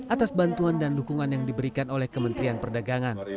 atas bantuan dan dukungan yang diberikan oleh kementerian perdagangan